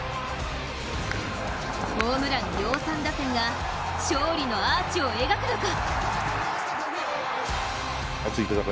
ホームラン量産打線が勝利のアーチを描くのか。